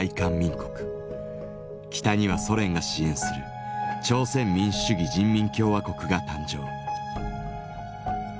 北にはソ連が支援する朝鮮民主主義人民共和国が誕生。